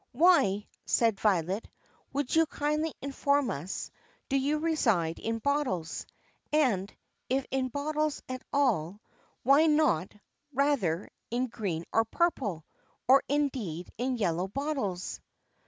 "Why," said Violet, "would you kindly inform us, do you reside in bottles; and, if in bottles at all, why not, rather, in green or purple, or, indeed, in yellow bottles?"